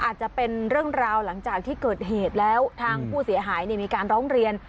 อาจจะเป็นเรื่องราวหลังจากที่เกิดเหตุแล้วทางผู้เสียหายมีการร้องเรียน